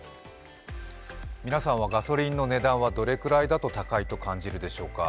皆さんはガソリンの値段はどれくらいだと高いと感じるでしょうか。